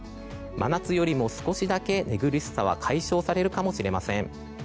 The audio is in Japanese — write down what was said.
真夏よりも少しだけ、寝苦しさは解消されるかもしれません。